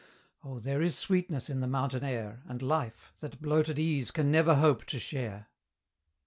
Oh, there is sweetness in the mountain air And life, that bloated Ease can never hope to share.